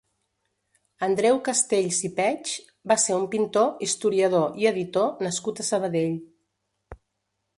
Andreu Castells i Peig va ser un pintor, historiador i editor nascut a Sabadell.